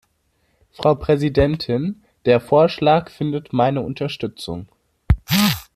Frau Präsidentin, der Vorschlag findet meine Unterstützung.